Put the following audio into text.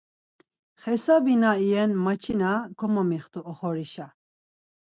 Xesabi na iyen maçina komomiğitu oxorişa.